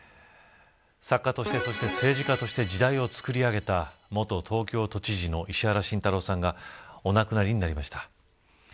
作家として、そして政治家として時代を作り上げた元東京都知事の石原慎太郎さんがお亡くなりになりました。